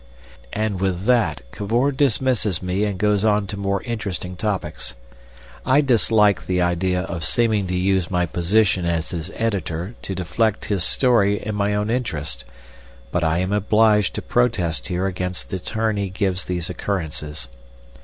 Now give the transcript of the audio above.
And with that Cavor dismisses me and goes on to more interesting topics. I dislike the idea of seeming to use my position as his editor to deflect his story in my own interest, but I am obliged to protest here against the turn he gives these occurrences.